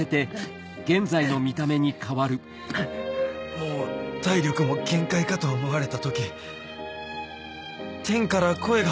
もう体力も限界かと思われた時天から声が